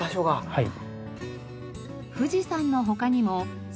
はい。